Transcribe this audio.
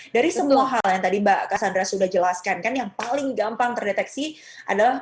dari semua hal yang tadi mbak cassandra sudah jelaskan kan yang paling gampang terdeteksi adalah